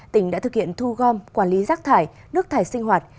tỉnh đã thực hiện thu gom quản lý rác thải nước thải sinh hoạt